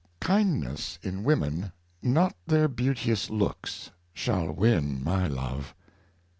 " Kindness in women, not their beauteous looks, Shall win my love."